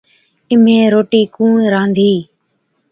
اِمھين روٽِي ڪُوڻ رانڌِي؟